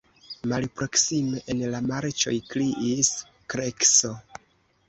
Malproksime en la marĉoj kriis krekso.